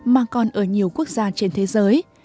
mà còn ở nhiều quốc gia trên thế giới